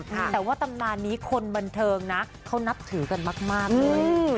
แต่ว่าตำนานนี้คนบันเทิงนะเขานับถือกันมากเลย